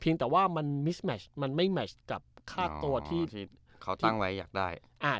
เพียงแต่ว่ามันมันไม่แมชกับค่าตัวที่เขาตั้งไว้อยากได้อ่า